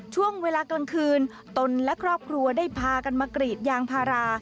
ช่วงเวลากลางคืนตนและครอบครัวได้พากันมากรีดยางพารา